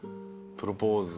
プロポーズ。